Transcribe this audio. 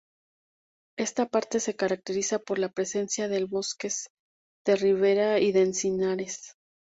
Esta parte se caracteriza por la presencia de bosques de ribera y de encinares.